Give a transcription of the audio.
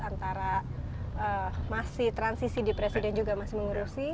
antara masih transisi di presiden juga masih mengurusi